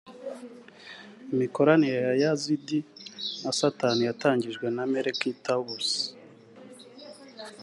Imikoranire ya Yazidi na Satani yatangijwe na Melek Taus